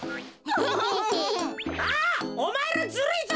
あおまえらずるいぞ！